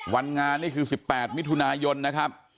วันงานนี่คือ๑๘มิถุนายนนะครับ